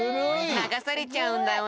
ながされちゃうんだよね。